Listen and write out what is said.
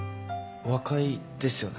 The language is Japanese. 和解ですよね。